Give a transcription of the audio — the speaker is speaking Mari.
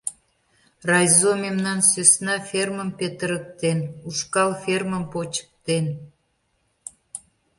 Райзо, мемнан сӧсна фермым петырыктен, ушкал фермым почыктен.